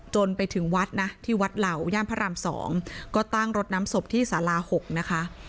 จนไปถึงวัดนะที่วัดเหล่าย่านพระราม๒ก็ตั้งรถน้ำศพที่สารา๖นะคะ